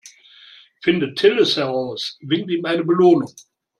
Findet Till es heraus, winkt ihm eine Belohnung.